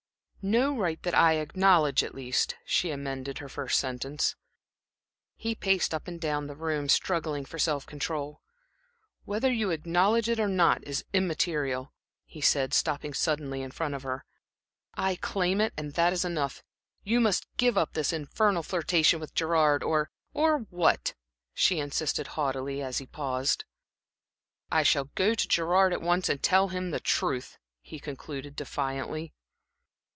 "No right that I acknowledge, at least," she amended her first sentence. He paced up and down the room, struggling for self control. "Whether you acknowledge it or not, is immaterial," he said, stopping suddenly in front of her. "I claim it, and that is enough. You must give up this infernal flirtation with Gerard, or" "Or what?" she insisted haughtily, as he paused. "I shall go to Gerard at once and tell him the truth," he concluded, defiantly.